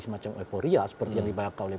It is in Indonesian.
semacam euforia seperti yang dibayangkan oleh